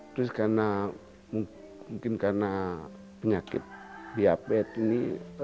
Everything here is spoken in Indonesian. terus karena mungkin karena penyakit diabetes ini